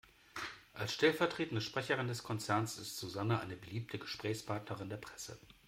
Als stellvertretende Sprecherin des Konzerns ist Susanne eine beliebte Gesprächspartnerin der Presse.